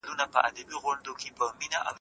د منځنۍ لارې خلګ په دې منځ کې ورک دي.